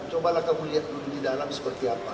cobalah kamu lihat dulu di dalam seperti apa